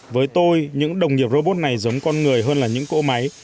với tôi những đồng nghiệp robot này giống con người hơn là những cỗ máy